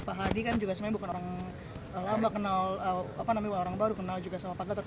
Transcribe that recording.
pak hadi kan juga sebenarnya bukan orang kenal orang baru kenal juga sama pak gatot